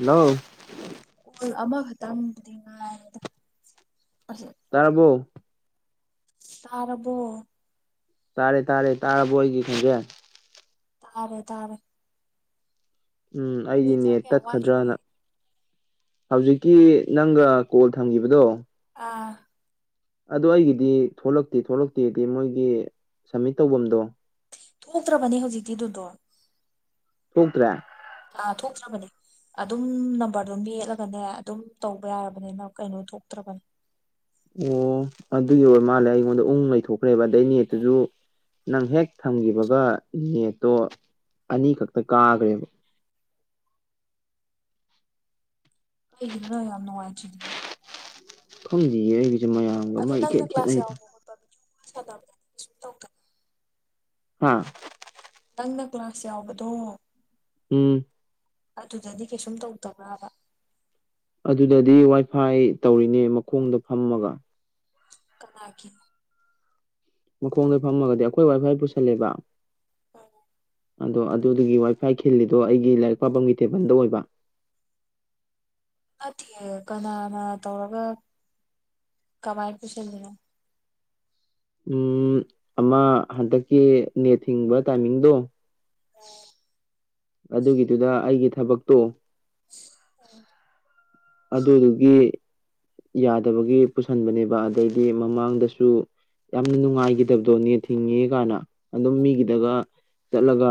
hello ꯑꯣꯜ ꯑꯃꯈꯛꯇꯪꯗꯤꯉꯥꯏ ꯇꯥꯔꯔꯕꯣ ꯇꯥꯔꯔꯕꯣ ꯇꯥꯔꯦ ꯇꯥꯔꯦ ꯇꯔꯥ ꯣꯏꯒꯤ ꯈꯪꯖ ꯇꯥꯔꯦ ꯇꯥꯔꯦ ꯎꯝ ꯅꯣꯏ ꯑꯩꯗꯤꯅꯦ ꯆꯥꯛ ꯀꯌꯥꯝ ꯋꯥꯠꯂꯤꯒꯦ ꯇꯠꯀꯗ꯭ꯔꯅ ꯍꯧꯖꯤꯛꯀꯤ ꯅꯪꯒ ꯀꯣꯜ ꯊꯝꯈꯤꯕꯗꯣ ꯑꯥ ꯑꯗ ꯑꯩꯒꯤꯗꯤ ꯊꯣꯛꯂꯛꯇꯦ ꯊꯣꯛꯂꯛꯇꯦꯗꯤ ꯃꯣꯏꯒꯤ ꯁꯝꯃꯤꯠ ꯇꯧꯐꯝꯗꯣ ꯊꯣꯛꯇ꯭ꯔꯕꯅꯦ ꯍꯧꯖꯤꯛꯇꯤꯗꯨꯗꯣ ꯊꯣꯛꯇ꯭ꯔꯦ ꯑꯥ ꯊꯣꯛꯇ꯭ꯔꯕꯅꯤ ꯑꯗꯨꯝ ꯅꯝꯕꯔꯗꯣꯝ ꯌꯦꯠꯂꯒꯅꯦ ꯑꯗꯨꯝ ꯇꯧꯕ ꯌꯥꯔꯕꯅꯤꯅ ꯀꯩꯅꯣ ꯊꯣꯛꯇ꯭ꯔꯕꯅꯤ ꯑꯣ ꯑꯗꯨꯒꯤ ꯑꯣꯏ ꯃꯥꯜꯂꯦ ꯑꯩꯉꯣꯟꯗ ꯎꯅꯨꯡ ꯂꯩꯊꯣꯛꯈ꯭ꯔꯦꯕ ꯑꯗꯩ ꯅꯦꯠꯇꯨꯁꯨ ꯅꯪ ꯍꯦꯛ ꯊꯝꯈꯤꯕꯒ ꯅꯦꯠꯇꯣ ꯑꯅꯤꯈꯛꯇ ꯀꯥꯈ꯭ꯔꯦꯕ ꯑꯩ ꯏ ꯌꯥꯝꯅꯅꯨꯡꯉꯆꯗꯤ ꯈꯝꯖꯤꯌꯦ ꯑꯩꯒꯤꯁꯦ ꯃꯌꯥꯝꯒ ꯃꯩ ꯈꯦꯠ ꯈꯦꯠꯅꯩꯗ ꯆꯗ ꯑꯥ ꯅꯪꯅ ꯀ꯭ꯂꯥꯁ ꯌꯥꯎꯕꯗꯣ ꯎꯝ ꯑꯗꯨꯗꯗꯤ ꯀꯩꯁꯨꯝ ꯇꯧꯗꯕ꯭ꯔꯕ ꯑꯗꯨꯗꯗꯤ ꯋꯥꯏꯐꯥꯏ ꯇꯧꯔꯤꯅꯦ ꯃꯈꯣꯡꯗ ꯐꯝꯃꯒ ꯀꯅꯥꯒꯦ ꯃꯈꯣꯡꯗꯩ ꯐꯝꯃꯒꯗꯤ ꯑꯩꯈꯣꯏ ꯋꯥꯏꯐꯥꯏ ꯄꯨꯁꯜꯂꯦꯕ ꯑꯗꯣ ꯑꯗꯨꯗꯨꯒꯤ ꯋꯥꯏꯐꯥꯏ ꯈꯤꯜꯂꯤꯗꯣ ꯑꯩꯒꯤ ꯂꯥꯏꯔꯤꯛ ꯄꯥꯕꯝꯒꯤ ꯇꯦꯕꯜꯗ ꯑꯣꯏꯕ ꯐꯠꯇꯦ ꯀꯅꯥꯅ ꯇꯧꯔꯒ ꯀꯃꯥꯏꯅ ꯄꯨꯁꯤꯟꯜꯂꯤꯅꯣ ꯎꯝ ꯑꯃ ꯍꯟꯗꯛꯀꯤ ꯅꯦꯠ ꯊꯤꯡꯕ ꯇꯥꯏꯃꯤꯡꯗꯣ ꯑꯣ ꯑꯗꯨꯒꯤꯗꯨꯗ ꯑꯩꯒꯤ ꯊꯕꯛꯇꯣ ꯑꯣ ꯑꯗꯨꯗꯨꯒꯤ ꯌꯥꯗꯕꯒꯤ ꯄꯨꯁꯤꯟꯕꯅꯦꯕ ꯑꯗꯩꯗꯤ ꯃꯃꯥꯡꯗꯁꯨ ꯌꯥꯝꯅ ꯅꯨꯡꯉꯥꯏꯈꯤꯗꯕꯗꯣ ꯅ ꯊꯤꯡꯉꯦ ꯀꯥꯏꯅ ꯑꯗꯨꯝ ꯃꯤꯒꯤꯗꯒ ꯆꯠꯂꯒ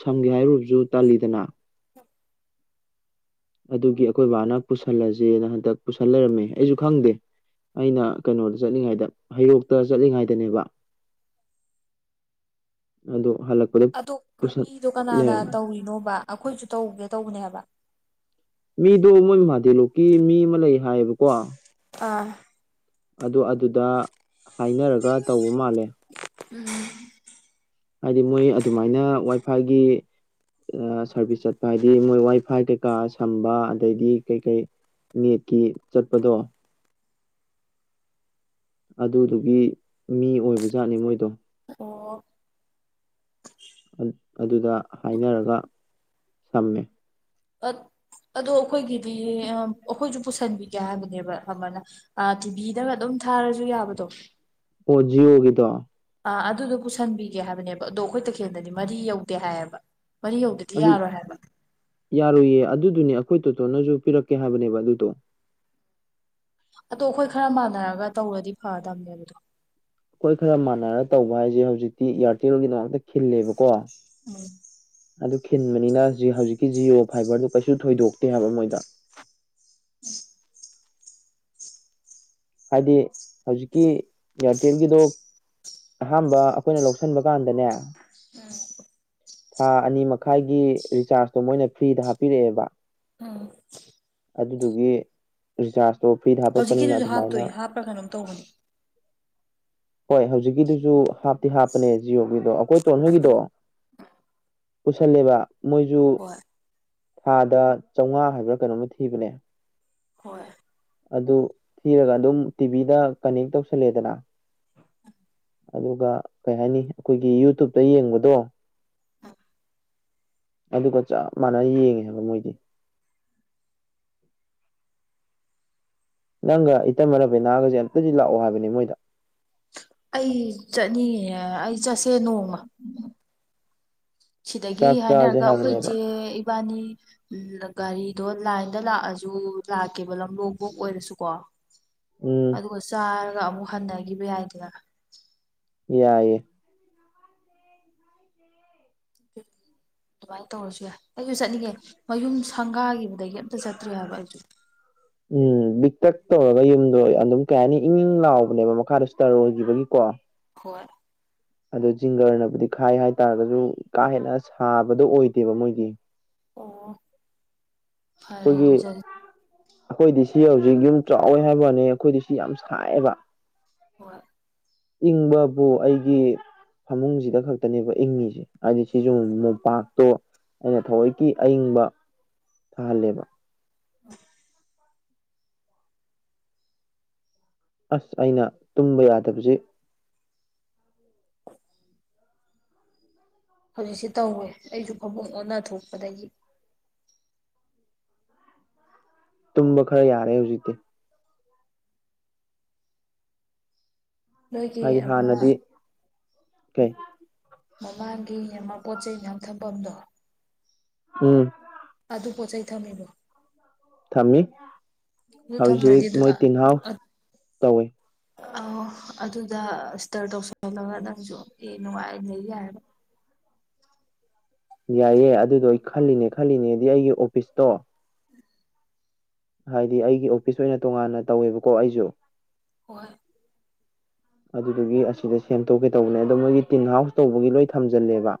ꯁꯝꯒꯦ ꯍꯥꯏꯔꯨꯕꯁꯨ ꯇꯥꯜꯂꯤꯗꯅ ꯑꯗꯨꯒꯤ ꯑꯩꯈꯣꯏ ꯕꯥꯅ ꯄꯨꯁꯜꯂꯁꯦꯅ ꯍꯟꯗꯛ ꯄꯨꯁꯜ ꯂꯩꯔꯝꯃꯦ ꯑꯩꯁꯨ ꯈꯪꯗꯦ ꯑꯩꯅ ꯀꯩꯅꯣꯗ ꯆꯠꯂꯤꯉꯥꯏꯗ ꯍꯩꯔꯣꯛꯇ ꯆꯠꯂꯤꯉꯥꯏꯗꯅꯦꯕ [inaudible] ꯑꯗꯣ ꯍꯜꯂꯛꯄꯗ ꯑꯗꯣ ꯄꯨꯁꯜ ꯃꯤꯗꯣ ꯀꯅꯥꯅ ꯂꯩꯔꯝꯃꯦ ꯇꯧꯔꯤꯅꯣꯕ ꯑꯩꯈꯣꯏꯁꯨ ꯇꯧꯒꯦ ꯇꯧꯕꯅꯦꯕ ꯃꯤꯗꯣ ꯃꯣꯏ ꯃꯍꯥꯗꯦꯂꯣꯛꯀꯤ ꯃꯤ ꯑꯃ ꯂꯩ ꯍꯥꯏꯌꯦꯕꯀꯣ ꯑꯥ ꯑꯗꯨ ꯑꯗꯨꯗ ꯍꯥꯏꯅꯔꯒ ꯇꯧꯕ ꯃꯥꯜꯂꯦ ꯎꯝ ꯍꯥꯏꯗꯤ ꯃꯣꯏ ꯑꯗꯨꯃꯥꯏꯅ ꯋꯥꯏꯐꯥꯏꯒꯤ ꯁꯥꯔꯚꯤꯁ ꯆꯠꯄ ꯍꯥꯏꯗꯤ ꯃꯣꯏ ꯋꯥꯏꯐꯥꯏ ꯀꯩꯀꯥ ꯁꯝꯕ ꯑꯗꯩꯗꯤ ꯀꯩ ꯀꯩ ꯅꯦꯠꯀꯤ ꯆꯠꯄꯗꯣ ꯑꯗꯨꯗꯨꯒꯤ ꯃꯤ ꯑꯣꯏꯕꯖꯥꯠꯅꯤ ꯃꯣꯏꯗꯣ ꯑꯣ ꯑꯗꯨꯗ ꯍꯥꯏꯅꯔꯒ ꯁꯝꯃꯦ ꯑ ꯑꯗꯣ ꯑꯩꯈꯣꯏꯒꯤꯗꯤ ꯑꯩꯈꯣꯏꯁꯨ ꯄꯨꯁꯟꯕꯤꯒꯦ ꯍꯥꯏꯕꯅꯦꯕ ꯑꯃꯅ ꯇꯤꯚꯤꯗꯒ ꯑꯗꯨꯝ ꯊꯥꯔꯁꯨ ꯌꯥꯕꯗꯣ ꯑꯣ ꯖꯤꯑꯣꯒꯤꯗꯣ ꯑ ꯑꯗꯨꯗꯣ ꯄꯨꯁꯟꯕꯤꯒꯦ ꯍꯥꯏꯕꯅꯦꯕ ꯑꯗꯣ ꯑꯩꯈꯣꯏ ꯇꯈꯦꯜꯗꯗꯤ ꯃꯔꯤ ꯌꯧꯗꯦ ꯍꯥꯏꯌꯦꯕ ꯃꯔꯤ ꯌꯧꯗꯗꯤ ꯑꯗꯨ ꯌꯥꯔꯣꯏ ꯍꯥꯏꯕ ꯌꯥꯔꯣꯏꯌꯦ ꯑꯗꯨ ꯑꯗꯨꯅꯦ ꯑꯩꯈꯣꯏ ꯇꯣꯇꯣꯅꯁꯨ ꯄꯤꯔꯛꯀꯦ ꯍꯥꯏꯕꯅꯦꯕ ꯑꯗꯨꯗꯣ ꯑꯗꯣ ꯑꯩꯈꯣꯏ ꯈꯔ ꯃꯥꯟꯅꯔꯒ ꯇꯧꯔꯗꯤ ꯐꯗꯝꯕꯅꯦꯕ ꯑꯗꯣ ꯑꯩꯈꯣꯏ ꯈꯔ ꯃꯥꯟꯅꯔ ꯇꯧꯕ ꯍꯥꯏꯁꯦ ꯍꯧꯖꯤꯛꯇꯤ ꯏꯌꯥꯔꯇꯦꯜꯒꯤꯗꯃꯛꯇ ꯈꯤꯜꯂꯦꯕꯀꯣ ꯎꯝ ꯑꯗꯨ ꯈꯤꯟꯕꯅꯤꯅ ꯍꯧꯖꯤꯛꯀꯤ ꯖꯤꯑꯣ ꯐꯥꯏꯕꯔꯗꯨ ꯀꯩꯁꯨ ꯊꯣꯏꯗꯣꯛꯇꯦ ꯍꯥꯏꯕ ꯃꯣꯏꯗ [inaudible] ꯍꯥꯏꯗꯤ ꯍꯧꯖꯤꯛꯀꯤ ꯏꯌꯥꯔꯇꯦꯜꯒꯤꯗꯣ ꯑꯍꯥꯟꯕ ꯑꯩꯈꯣꯏꯅ ꯂꯧꯁꯤꯟꯕ ꯀꯥꯟꯗꯅꯦ ꯎꯝ ꯊꯥ ꯑꯅꯤ ꯃꯈꯥꯏꯒꯤ ꯔꯤꯆꯥꯔꯖꯇꯣ ꯃꯣꯏꯅ ꯐ꯭ꯔꯤꯗ ꯍꯥꯞꯄꯤꯔꯛꯑꯦꯕ ꯑꯥ ꯑꯗꯨꯗꯨꯒꯤ ꯔꯤꯆꯥꯔꯖꯇꯣ ꯐ꯭ꯔꯤꯗ ꯍꯥꯞꯄꯛꯄꯅꯤꯅ ꯍꯧꯖꯤꯛꯀꯤꯗꯨꯁꯨ ꯑꯗꯨꯃꯥꯏꯅ ꯍꯥꯞꯇꯣꯏ ꯍꯥꯞꯄꯔ ꯀꯩꯅꯣꯝ ꯇꯧꯕꯅꯦ ꯍꯣꯏ ꯍꯧꯖꯤꯛꯀꯤꯗꯨꯁꯨ ꯍꯥꯞꯇꯤ ꯍꯥꯞꯄꯅꯦ ꯖꯤꯑꯣꯒꯤꯗꯣ ꯑꯩꯈꯣꯏ ꯇꯣꯟ ꯍꯣꯏꯒꯤꯗꯣ ꯄꯨꯁꯜꯂꯦꯕ ꯃꯣꯏꯁꯨ ꯍꯣꯏ ꯊꯥꯗ ꯆꯧꯉꯥ ꯍꯥꯏꯕ꯭ꯔꯥ ꯀꯩꯅꯣꯝꯃ ꯊꯤꯕꯅꯦ ꯍꯣꯏ ꯑꯗꯨ ꯊꯤꯔꯒ ꯑꯗꯨꯝ ꯇꯤꯚꯤꯗ ꯀꯅꯦꯛ ꯇꯧꯁꯜꯂꯦꯗꯅ ꯑꯗꯨꯒ ꯀꯩ ꯍꯥꯏꯅꯤ ꯑꯩꯈꯣꯏꯒꯤ ꯌꯨꯇꯨꯨꯞꯇ ꯌꯦꯡꯕꯗꯣ ꯑꯗꯨꯒ ꯆꯞ ꯃꯥꯟꯅꯅ ꯌꯦꯡꯉꯦ ꯍꯥꯏꯕ ꯃꯣꯏꯗꯤ [inaudible] ꯅꯪꯒ ꯏꯇꯩꯃ ꯔꯕꯤꯅꯥꯒꯁꯦ ꯑꯝꯇꯗꯤ ꯂꯥꯛꯑꯣ ꯍꯥꯏꯕꯅꯤ ꯃꯣꯏꯗ ꯑꯩ ꯆꯠꯅꯤꯡꯉꯦ ꯑꯩ ꯆꯠꯁꯦ ꯅꯣꯡꯃ ꯁꯤꯗꯒꯤ ꯆꯥꯛ ꯆꯥꯁꯦ ꯍꯥꯏꯅꯔꯒ ꯑꯩꯈꯣꯏ ꯆꯦ ꯍꯥꯏꯕꯅꯦꯕ ꯏꯕꯥꯅꯤ ꯎ ꯒꯥꯔꯤꯗꯣ ꯂꯥꯏꯟꯗ ꯂꯥꯛꯑꯁꯨ ꯂꯥꯛꯀꯦꯕ ꯂꯝꯂꯣꯡꯕꯣꯛ ꯑꯣꯏꯔꯁꯨꯀꯣ ꯎꯝ ꯑꯗꯨꯒ ꯆꯥꯔꯒ ꯑꯃꯨꯛ ꯍꯟꯅꯈꯤꯕ ꯌꯥꯏꯗꯅ ꯌꯥꯏꯌꯦ ꯑꯗꯨꯃꯥꯏꯅ ꯇꯧꯔꯁꯨ ꯌꯥꯏ ꯑꯩꯁꯨ ꯆꯠꯅꯤꯡꯉꯦ ꯃꯌꯨꯝ ꯁꯪꯒꯥꯒꯤꯕ ꯑꯗꯒꯤ ꯑꯝꯇ ꯆꯠꯇ꯭ꯔꯤ ꯍꯥꯏꯕ ꯑꯩꯁꯨ ꯎꯝ ꯕꯤꯛꯇꯛ ꯇꯧꯔꯒ ꯌꯨꯝꯗꯣ ꯑꯗꯨꯝ ꯀꯩ ꯍꯥꯏꯅꯤ ꯏꯪ ꯏꯪ ꯂꯥꯎꯕꯅꯦꯕ ꯃꯈꯥꯗ ꯁꯇꯔꯣꯏꯈꯤꯕꯒꯤꯀꯣ ꯍꯣꯏ ꯑꯗꯣ ꯖꯤꯡꯒꯔꯅꯕꯨꯗꯤ ꯈꯥꯏ ꯍꯥꯏ ꯇꯥꯔꯒꯁꯨ ꯀꯥ ꯍꯦꯟꯅ ꯁꯥꯕꯗꯣ ꯑꯣꯏꯗꯦꯕ ꯃꯣꯏꯗꯤ ꯑꯣ ꯐꯔꯦ ꯑꯩꯈꯣꯏꯒꯤ ꯑꯗꯨꯗꯤ ꯑꯩꯈꯣꯏꯗꯤ ꯁꯤ ꯍꯧꯖꯤꯛ ꯌꯨꯝ ꯆꯥꯎꯋꯦ ꯍꯥꯏꯕꯩ ꯋꯥꯅꯤ ꯑꯩꯈꯣꯏꯗꯤ ꯁꯤ ꯌꯥꯝ ꯁꯥꯏꯌꯦꯕ ꯍꯣꯏ ꯏꯪꯕꯕꯨ ꯑꯩꯒꯤ ꯐꯃꯨꯡꯁꯤꯗ ꯈꯛꯇꯅꯦꯕ ꯏꯪꯉꯤꯁꯦ ꯍꯥꯏꯗꯤ ꯁꯤꯁꯨ ꯃꯣꯝꯄꯥꯛꯇꯣ ꯑꯩꯅ ꯊꯑꯣꯏꯀꯤ ꯑꯏꯪꯕ ꯊꯥꯍꯜꯂꯦꯕ ꯑꯣ ꯑꯁ ꯑꯩꯅ ꯇꯨꯝꯕ ꯌꯥꯗꯕꯁ [inaudible] ꯍꯧꯖꯤꯛꯁꯤꯦ ꯇꯧꯋꯦ ꯑꯩꯁꯨ ꯈꯕꯨꯡ ꯑꯣꯟꯅ ꯊꯣꯛꯄꯗꯒꯤ ꯇꯨꯝꯕ ꯈꯔ ꯌꯥꯔꯦ ꯍꯧꯖꯤꯛꯇꯤ ꯅꯣꯏꯒꯤ ꯍꯥꯏꯗꯤ ꯑꯃ ꯍꯥꯟꯅꯗꯤ ꯀꯩ ꯃꯃꯥꯡꯒꯤ ꯃꯃ ꯄꯣꯠ ꯆꯩꯩ ꯃꯌꯥꯝ ꯊꯝꯐꯝꯗꯣ ꯎꯝ ꯑꯗꯨ ꯄꯣꯠ ꯆꯩ ꯆꯩ ꯊꯝꯃꯦꯕ ꯊꯝꯃꯤ ꯍꯧꯖꯤꯛ ꯊꯝꯗ꯭ꯔꯗꯤ ꯑꯗꯨ ꯃꯣꯏ ꯇꯤꯜꯍꯥꯎ ꯇꯧꯏ ꯑ ꯑꯗꯨꯗ ꯏꯁꯇꯔ ꯇꯧꯁꯜꯍꯜꯂꯒ ꯅꯪꯁꯨ ꯑꯦ ꯅꯨꯡꯉꯥꯏ ꯂꯩ ꯌꯥꯏꯔ ꯌꯥꯏꯑꯦ ꯑꯗꯨꯗꯣ ꯑꯩ ꯈꯜꯂꯤꯅꯦ ꯈꯜꯂꯤꯅꯦꯗꯤ ꯑꯩꯒꯤ ꯑꯣꯐꯤꯁꯇꯣ ꯍꯥꯏꯗꯤ ꯑꯩꯒꯤ ꯑꯣꯐꯤꯁ ꯑꯣꯏꯅ ꯇꯣꯉꯥꯟꯅ ꯇꯧꯋꯦꯕꯀꯣ ꯑꯩꯁꯨ ꯍꯣꯏ ꯑꯗꯨꯗꯨꯒꯤ ꯑꯁꯤꯗ ꯁꯦꯝꯗꯣꯛꯀꯦ ꯇꯧꯕꯅꯦ ꯑꯗꯣ ꯃꯣꯏꯒꯤ ꯇꯤꯟ ꯍꯥꯎꯁ ꯇꯧꯕꯒꯤ ꯂꯣꯏ ꯊꯝꯖꯤꯜꯂꯦꯕ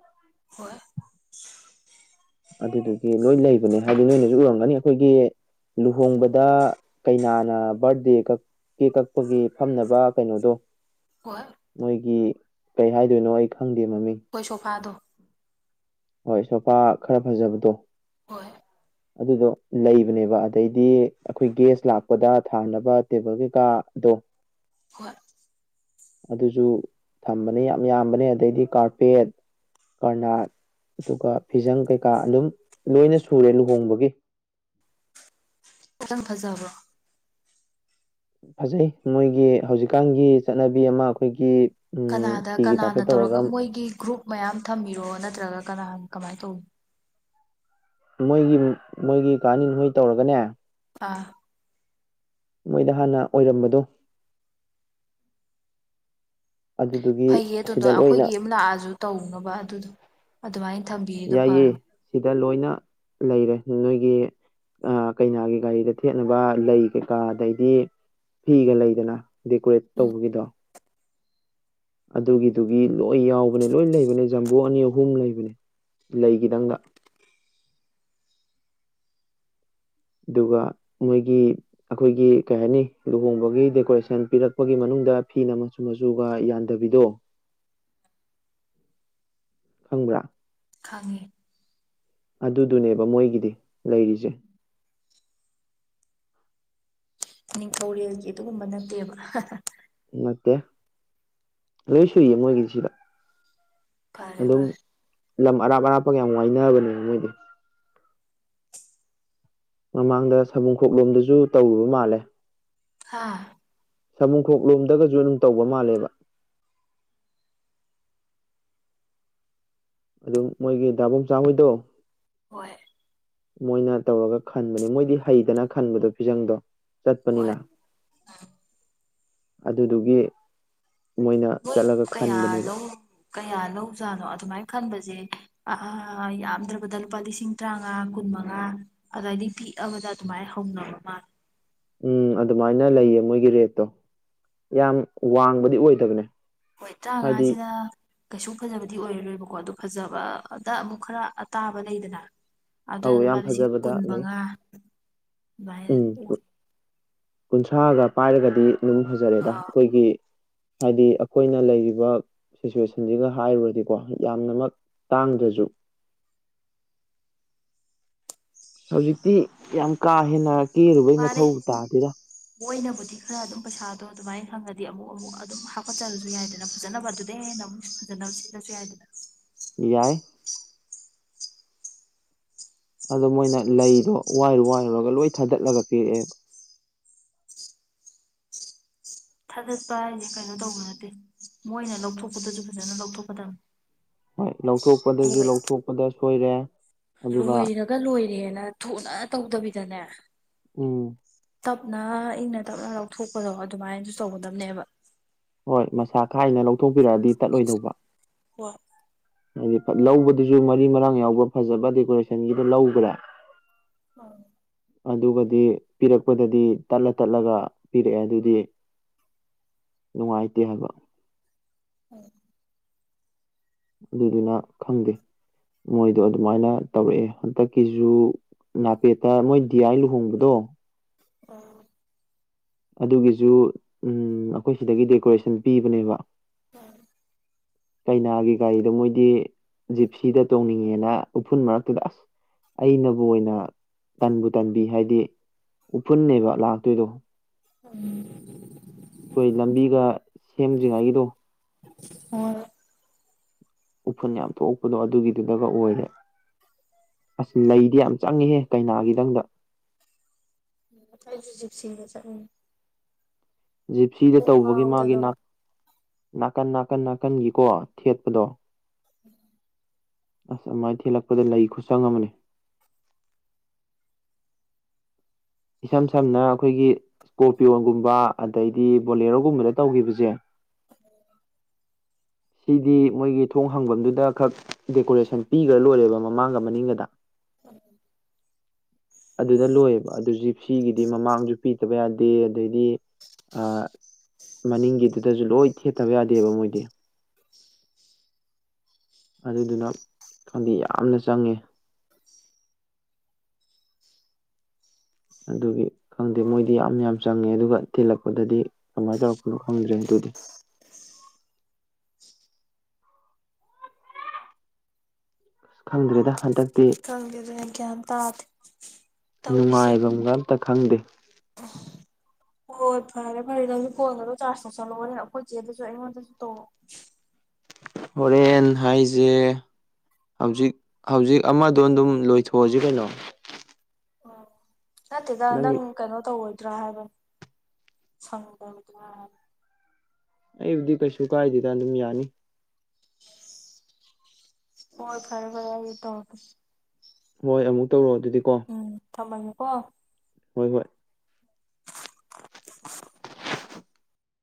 ꯍꯣꯏ ꯑꯗꯨꯗꯨꯒꯤ ꯂꯣꯏ ꯂꯩꯕꯅꯦ ꯍꯥꯏꯗꯤ ꯅꯣꯏꯅꯁꯨ ꯎꯔꯝꯒꯅꯤ ꯑꯩꯈꯣꯏꯒꯤ ꯂꯨꯍꯣꯡꯕꯗ ꯀꯩꯅꯥꯅ ꯕꯥꯔꯗꯦ ꯀꯛ ꯀꯦ ꯀꯛꯄꯒꯤ ꯐꯝꯅꯕ ꯀꯩꯅꯣꯗꯣ ꯍꯣꯏ ꯃꯣꯏꯒꯤ ꯀꯩ ꯍꯥꯏꯗꯣꯏꯅꯣ ꯑꯩ ꯈꯪꯗꯦ ꯃꯃꯤꯡ ꯑꯩꯈꯣꯏ ꯁꯣꯐꯥꯗꯣ ꯍꯣꯏ ꯁꯣꯄꯥ ꯈꯔ ꯐꯖꯕꯗꯣ ꯍꯣꯏ ꯑꯗꯨꯗꯣ ꯂꯩꯕꯅꯦꯕ ꯑꯗꯩꯗꯤ ꯑꯩꯈꯣꯏ ꯒꯦꯁ ꯂꯥꯛꯄꯗ ꯊꯥꯅꯕ ꯇꯦꯕꯜ ꯀꯩꯀꯥ ꯍ ꯍꯣꯏ ꯑꯗꯨꯁꯨ ꯊꯝꯕꯅꯦ ꯌꯥꯝ ꯌꯥꯝꯕꯅꯦ ꯑꯗꯩꯗꯤ ꯀꯥꯔꯄꯦꯠ ꯀꯔꯅꯥꯠ ꯑꯗꯨꯒ ꯐꯤꯖꯪ ꯀꯩ ꯀꯥ ꯑꯗꯨꯝ ꯂꯣꯏꯅ ꯁꯨꯔꯦ ꯂꯨꯍꯣꯡꯕꯒꯤ ꯈꯤꯇꯪ ꯐꯖꯕꯣ ꯐꯖꯩ ꯃꯣꯏꯒꯤ ꯍꯧꯖꯤꯛꯀꯥꯟꯒꯤ ꯆꯠꯅꯕꯤ ꯑꯃ ꯑꯩꯈꯣꯏꯒꯤ ꯎꯝ ꯀꯅꯥꯗ ꯐꯤꯒꯤ ꯀꯅꯥꯅ ꯇꯥꯏꯞꯇ ꯇꯧꯔꯒ ꯃꯣꯏꯒꯤ ꯒ꯭ꯔꯨꯞ ꯃꯌꯥꯝ ꯊꯝꯕꯤꯔꯣ ꯅꯠꯇ꯭ꯔꯒ ꯀꯅꯥꯅ ꯀꯃꯥꯏ ꯇꯧ ꯃꯣꯏꯒꯤ ꯃꯣꯏꯒꯤ ꯀꯥꯅꯤ ꯃꯣꯏ ꯇꯧꯔꯒꯅꯦ ꯑꯥ ꯃꯣꯏꯗ ꯍꯥꯟꯅ ꯑꯣꯏꯔꯝꯕꯗꯣ ꯑꯗꯨꯗꯨꯒꯤ ꯐꯩꯌꯦ ꯑꯗꯨꯗꯣ ꯁꯤꯗ ꯂꯣꯏꯅ ꯑꯩꯈꯣꯏꯒꯤ ꯑꯃꯛ ꯂꯥꯛꯑꯁꯨ ꯇꯧꯅꯕ ꯑꯗꯨꯗꯣ ꯑꯗꯨꯃꯥꯏꯅ ꯊꯝꯕꯤꯔꯤꯗꯣ ꯌꯥꯏꯌꯦꯦ ꯐꯔꯕ ꯁꯤꯗ ꯂꯣꯏꯅ ꯂꯩꯔꯦ ꯅꯣꯏꯒꯤ ꯑ ꯀꯩꯅꯥꯒꯤ ꯒꯥꯔꯤꯗ ꯊꯦꯠꯅꯕ ꯂꯩ ꯀꯩꯀꯥ ꯑꯗꯩꯗꯤ ꯐꯤꯒ ꯂꯩꯗꯅ ꯗꯦꯀꯣꯔꯦꯠ ꯎꯝ ꯇꯧꯕꯒꯤꯗꯣ ꯑꯗꯨꯒꯤꯗꯨꯒꯤ ꯂꯣꯏ ꯌꯥꯎꯕꯅꯦ ꯂꯣꯏ ꯂꯩꯕꯅꯦ ꯖꯝꯕꯨ ꯑꯅꯤ ꯑꯍꯨꯝ ꯂꯩꯕꯅꯦ ꯂꯩꯒꯤꯗꯪꯒ [inaudible] ꯑꯗꯨꯒ ꯃꯣꯏꯒꯤ ꯑꯩꯈꯣꯏꯒꯤ ꯀꯩ ꯍꯥꯏꯅꯤ ꯂꯨꯍꯣꯡꯕꯒꯤ ꯗꯦꯀꯣꯔꯦꯁꯟ ꯄꯤꯔꯛꯄꯒꯤ ꯃꯅꯨꯡ ꯗ ꯐꯤꯅ ꯃꯆꯨ ꯃꯆꯨꯒ ꯌꯥꯟꯗꯕꯤꯗꯣ [inaudible] ꯈꯪꯕ꯭ꯔꯥ ꯈꯪꯉꯦ ꯑꯗꯨꯗꯨꯅꯦꯕ ꯃꯣꯏꯒꯤꯗꯤ ꯂꯩꯔꯤꯁꯦ ꯅꯤꯡꯊꯧꯔꯦꯜꯒꯤ ꯑꯗꯨꯒꯨꯝꯕ ꯅꯠꯇꯦꯕ ꯅꯠꯇꯦ ꯂꯣꯏ ꯁꯨꯏꯌꯦ ꯃꯣꯏꯒꯤ ꯁꯤꯗ ꯐꯔꯦ ꯐꯔꯦ ꯂꯝ ꯑꯔꯥꯞ ꯑꯔꯥꯞꯄꯒ ꯌꯥꯝ ꯋꯥꯏꯅꯕꯅꯦ ꯃꯣꯏꯗꯤ ꯃꯃꯥꯡꯗ ꯁꯥꯕꯨꯡꯈꯣꯛꯂꯣꯝꯗꯁꯨ ꯇꯧꯔꯨꯕ ꯃꯥꯜꯂꯦ ꯍꯥꯥ ꯁꯥꯃꯨꯈꯣꯛ ꯂꯣꯝꯗꯒꯁꯨ ꯑꯗꯨꯝ ꯇꯧꯕ ꯃꯥꯜꯂꯦꯕ ꯑꯗꯨꯝ ꯃꯣꯏꯒꯤ ꯗꯥꯕ ꯆꯥꯃꯩꯗꯣ ꯍꯣꯏ ꯃꯣꯏꯅ ꯇꯧꯔꯒ ꯈꯟꯕꯅꯦ ꯃꯣꯏꯗꯤ ꯍꯩꯗꯅ ꯈꯟꯕꯗꯣ ꯐꯤꯖꯪꯗꯣ ꯍꯣꯏ ꯆꯠꯄꯅꯤꯅ ꯑꯗꯨꯗꯨꯒꯤ ꯃꯣꯏꯅ ꯍꯣꯏ ꯆꯠꯂꯒ ꯀꯌꯥ ꯈꯟꯕꯅꯦꯕ ꯂꯧ ꯀꯌꯥ ꯂꯧꯖꯥꯠꯅꯣ ꯑꯗꯨꯃꯥꯏꯅ ꯈꯟꯕꯁ ꯌꯥꯝꯗ꯭ꯔꯕꯗ ꯂꯨꯄꯥ ꯂꯤꯁꯤꯡ ꯇꯥꯉꯥ ꯀꯨꯟ ꯃꯉꯥ ꯑꯏꯗꯤ ꯄꯤꯛꯑ ꯑꯗꯨꯃꯥꯏ ꯍꯣꯝꯅ ꯃꯥ ꯎꯝ ꯑꯗꯨꯃꯥꯏꯅ ꯂꯩꯌꯦ ꯃꯣꯏꯒꯤ ꯔꯦꯠꯇꯣ ꯌꯥꯝ ꯋꯥꯡꯕꯗꯤ ꯑꯣꯏꯗꯕꯅꯦ ꯍꯣꯏ ꯍꯥꯏꯗꯤ ꯇꯔꯥꯃꯉꯥꯁꯤꯗ ꯀꯩꯁꯨ ꯐꯖꯕꯗꯤ ꯑꯣꯏꯔꯔꯣꯏꯕꯀꯣ ꯑꯗꯨ ꯐꯖꯕꯗ ꯑꯃꯨꯛ ꯈꯔ ꯑ ꯇꯥꯕ ꯂꯩꯗꯅ ꯑꯗꯨꯅ ꯑꯧ ꯂꯨꯄꯥ ꯌꯥꯝ ꯂꯤꯁꯤꯡ ꯐꯖꯕꯗ ꯀꯨꯟ ꯂꯩ ꯃꯉꯥ ꯑꯗꯨꯃꯥꯏꯅ ꯎꯝ ꯀꯨꯟꯊ꯭ꯔꯥꯒ ꯄꯥꯏꯔꯒꯗꯤ ꯑꯗꯨꯝ ꯐꯖꯔꯦꯗ ꯑꯥ ꯑꯩꯈꯣꯏꯒꯤ ꯍꯥꯏꯗꯤ ꯑꯩꯈꯣꯏꯅ ꯂꯩꯔꯤꯕ ꯁꯤꯆꯨꯋꯦꯁꯟꯁꯤꯒ ꯍꯥꯏꯔꯨꯔꯗꯤꯀꯣ ꯌꯥꯝꯅꯃꯛ ꯇꯥꯡꯗ꯭ꯔꯁꯨ [inaudible] ꯍꯧꯖꯤꯛꯇꯤ ꯌꯥꯝ ꯀꯥ ꯍꯦꯟꯅ ꯀꯦꯔꯨꯕꯩ ꯃꯊꯧ ꯇꯥꯗꯦꯗ ꯃꯣꯏ ꯑꯣꯏꯅꯕꯨꯗꯤ ꯈꯔ ꯑꯗꯨꯝ ꯄꯩꯁꯥꯗꯣ ꯑꯗꯨꯃꯥꯏꯅ ꯈꯪꯉꯗꯤ ꯑꯃꯨꯛ ꯑꯃꯨꯛ ꯑꯗꯨꯝ ꯍꯥꯞꯀꯠꯆꯔꯁꯨ ꯌꯥꯏꯗꯅ ꯐꯖꯅꯕ ꯑꯗꯨꯗ ꯍꯦꯟꯅ ꯐꯖꯅꯕ ꯁꯤꯜꯂꯁꯨ ꯌꯥꯏꯗꯅ ꯑꯦꯏ ꯑꯗꯣ ꯃꯣꯏꯅ ꯂꯩꯗꯣ ꯋꯥꯏꯔꯨ ꯋꯥꯏꯔꯨꯔꯒ ꯂꯣꯏ ꯊꯥꯗꯠꯂꯒ ꯄꯤꯔꯛꯑꯦꯕ ꯊꯥꯖꯠꯄ ꯍꯥꯏꯁꯦ ꯀꯩꯅꯣ ꯇꯧꯕ ꯅꯠꯇꯦ ꯃꯣꯏꯅ ꯂꯧꯊꯣꯛꯄꯗꯁꯨ ꯐꯖꯅ ꯂꯧꯊꯣꯛꯀꯗꯕꯅꯤ ꯍꯣꯏ ꯂꯧꯊꯣꯛꯄꯗꯁꯨ ꯂꯣꯏ ꯂꯧꯊꯣꯛꯄꯗ ꯁꯣꯏꯔꯦ ꯑꯗꯨꯒ ꯂꯣꯏꯔꯒ ꯂꯣꯏꯔꯦꯅ ꯊꯨꯅ ꯇꯧꯗꯕꯤꯗꯅꯦ ꯎꯝ ꯇꯞꯅ ꯏꯪꯅ ꯇꯞꯅ ꯂꯧꯊꯣꯛꯄꯗꯣ ꯑꯗꯨꯃꯥꯏꯅꯁꯨ ꯇꯧꯒꯗꯝꯕꯅꯦꯕ ꯍꯣꯏ ꯃꯁꯥ ꯈꯥꯏꯅ ꯂꯧꯊꯣꯛꯄꯤꯔꯛꯑꯗꯤ ꯇꯠꯂꯣꯏꯗꯧꯕ ꯍ ꯍꯥꯏꯗꯤ ꯂꯧꯕꯗꯨꯁꯨ ꯃꯔꯤ ꯃꯔꯥꯡ ꯌꯥꯎꯕ꯭ꯔ ꯐꯖꯕ ꯗꯦꯀꯣꯔꯦꯁꯟꯒꯤꯗꯣ ꯂꯧꯈ꯭ꯔꯦ ꯎꯝ ꯑꯗꯨꯒꯗꯤ ꯄꯤꯔꯛꯄꯗꯗꯤ ꯇꯠꯂ ꯇꯠꯂꯒ ꯄꯤꯔꯛꯑꯦ ꯑꯗꯨꯗꯤ ꯅꯨꯡꯉꯥꯏꯇꯦ ꯍꯥꯏꯕꯣ ꯎꯝ ꯑꯗꯨꯗꯨꯅ ꯈꯪꯗꯦ ꯃꯣꯏꯗꯣ ꯑꯗꯨꯃꯥꯏꯅ ꯇꯧꯔꯛꯑꯦ ꯍꯟꯗꯛꯀꯤꯖ ꯅꯥꯄꯦꯠꯇ ꯃꯣꯏ ꯗꯤꯌꯥꯥꯏ ꯂꯨꯍꯣꯡꯕꯗꯣ ꯑꯣ ꯑ ꯑꯗꯨꯒꯤꯁꯨ ꯎ ꯑꯩꯈꯣꯏ ꯁꯤꯗꯒꯤ ꯗꯦꯀꯣꯔꯦꯁꯟ ꯄꯤꯕꯅꯦꯕ [inaudible] ꯀꯩꯅꯥꯒꯤ ꯒꯥꯔꯤꯗꯣ ꯃꯣꯏꯗꯤ ꯖꯤꯞꯁꯤꯗ ꯇꯣꯡꯅꯤꯡꯉꯦꯅ ꯎꯐꯨꯜ ꯃꯔꯛꯇꯨꯗ ꯑꯁ ꯑꯩꯅꯕꯨ ꯑꯣꯏꯅ ꯇꯟꯕꯨ ꯇꯟꯕꯤ ꯍꯥꯏꯗꯤ ꯎꯐꯨꯟꯅꯦꯕ ꯂꯥꯛꯇꯣꯏꯗꯣ ꯎꯝ ꯑꯩꯈꯣꯏ ꯂꯝꯕꯤꯒ ꯁꯦꯝꯗ꯭ꯔꯤꯉꯩꯒꯤꯗꯣ ꯍ ꯎꯐꯨꯟ ꯌꯥꯝ ꯊꯣꯛꯄꯗꯣ ꯑꯗꯨꯒꯤꯗꯨꯗꯒ ꯑꯣꯏꯔꯦ ꯑꯁ ꯂꯩꯗꯤ ꯌꯥꯝ ꯆꯪꯉꯤꯍꯦ ꯀꯩꯅꯥꯒꯤꯗꯪꯗ ꯊꯁꯨꯖꯤꯞꯁꯤꯒ ꯆ ꯎꯝ ꯖꯤꯞꯁꯤꯗ ꯇꯧꯕꯒꯤ ꯃꯥꯒꯤ ꯅꯥ ꯅꯥꯀꯟ ꯅꯥꯀꯟ ꯅꯥꯀꯟꯒꯤꯀꯣ ꯊꯦꯠꯄꯗꯣ ꯎꯝ ꯑꯁ ꯑꯗꯨꯃꯥꯏꯅ ꯊꯦꯜꯂꯛꯄꯗ ꯂꯩ ꯈꯨꯠꯁꯪ ꯑꯃꯅꯤ ꯏꯁꯝ ꯁꯝꯅ ꯑꯩꯈꯣꯏꯒꯤ ꯏꯁꯀꯣꯔꯄꯤꯌꯣꯒꯨꯝꯕ ꯑꯗꯩꯗꯤ ꯕꯣꯂꯦꯔꯣꯒꯨꯝꯕꯗ ꯇꯧꯒꯤꯈꯤꯕꯁꯦ [unintelligible] ꯁꯤꯗꯤ ꯃꯣꯏꯒꯤ ꯊꯣꯡ ꯍꯪꯐꯝꯗꯨꯗ ꯈꯛ ꯗꯦꯀꯣꯔꯦꯁꯟ ꯄꯤꯈ꯭ꯔ ꯂꯣꯏꯔꯦꯕ ꯃꯃꯥꯡꯒ ꯃꯅꯤꯡꯒꯗ ꯎꯝ ꯑꯗꯨꯅ ꯂꯣꯏꯌꯦꯕ ꯑꯗꯨ ꯖꯤꯞꯁꯤꯒꯤꯗꯤ ꯃꯃꯥꯡꯁꯨ ꯄꯤꯗꯕ ꯌꯥꯗꯦ ꯑꯗꯩꯗꯤ [unintelligible] ꯃꯅꯤꯡꯒꯤꯗꯨꯗꯁꯨ ꯂꯣꯏ ꯊꯦꯠꯇꯕ ꯌꯥꯗꯦꯕ ꯃꯣꯏꯗꯤ [unintelligible] ꯑꯗꯨꯗꯨꯅ ꯈꯪꯗꯤ ꯌꯥꯝꯅ ꯆꯪꯉꯦ ꯑꯗꯨꯒꯤ ꯈꯪꯗꯦ ꯃꯣꯏꯗꯤ ꯌꯥꯝ ꯌꯥꯝ ꯆꯪꯉꯦ ꯑꯗꯨꯒ ꯊꯤꯜꯂꯛꯄꯗꯗꯤ ꯀꯃꯥꯏꯅ ꯇꯧꯔꯛꯄꯅꯣ ꯈꯪꯗ꯭ꯔꯦ ꯑꯗꯨꯗꯤ [unintelligible] ꯑ ꯈꯪꯗ꯭ꯔꯦꯗ ꯍꯟꯗꯛ ꯈꯪꯗꯦꯗ ꯑꯩ ꯒ꯭ꯌꯥꯟ ꯇꯥꯗꯦ ꯅꯨꯡꯉꯥꯏꯕ ꯉꯝꯇ ꯈꯪꯗꯦ ꯑ ꯍꯣꯏ ꯐꯔꯦ ꯐꯔꯦꯗꯤ ꯍꯧꯖꯤꯛ ꯐꯣꯟ ꯈꯗꯣ ꯆꯥꯔꯖ ꯇꯧꯁꯜꯂꯛꯑꯣꯅꯦꯅ ꯑꯩꯈꯣꯏ ꯏꯆꯦꯗꯁꯨ ꯑꯩꯉꯣꯟꯗꯁꯨ ꯇꯧꯔ ꯍꯣꯔꯦꯟ ꯍꯥꯏꯁꯦ ꯍꯧꯖꯤꯛ ꯍꯧꯖꯤꯛ ꯑꯃꯗꯣ ꯑꯗꯨꯝ ꯂꯣꯏꯊꯣꯛꯑꯁꯤ ꯀꯩꯅꯣ ꯅꯠꯇꯦꯗ ꯅꯪꯒꯤ ꯅꯪ ꯀꯩꯅꯣ ꯇꯧ ꯇ꯭ꯔꯥꯕ ꯁꯪꯕꯗ꯭ꯔꯥ ꯑꯩꯕꯨꯗꯤ ꯀꯩꯁꯨ ꯀꯥꯏꯗꯦꯗꯅ ꯑꯗꯨꯝ ꯌꯥꯅꯤ ꯍꯣꯏ ꯐꯔꯦ ꯐꯔꯦ ꯍꯥꯏ ꯇꯠꯇ ꯍꯣꯏ ꯑꯃꯨꯛ ꯇꯧꯔꯣꯑꯣ ꯑꯗꯨꯗꯤꯀꯣ ꯊꯃꯥꯏꯅꯤꯀꯣ ꯍꯣꯏ ꯍꯣꯏ